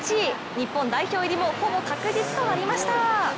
日本代表入りもほぼ確実となりました。